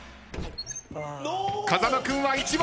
風間君は１番。